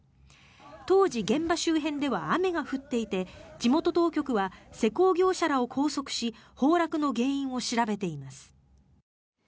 当時、現場周辺では雨が降っていて地元当局は施工業者らを拘束し崩落の原因を調べています。